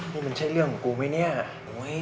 นี่มันใช่เรื่องของกูไหมเนี่ย